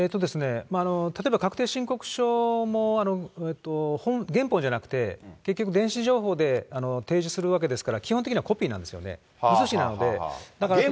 例えば確定申告書も、原本じゃなくて、結局、電子情報で提示するわけですから、基本的にはコピーなんですよね、原本じゃないんだ。